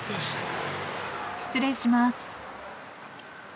失礼します。